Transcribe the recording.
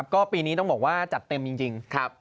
ก็ปีนี้ต้องบอกว่าจัดเต็มจริง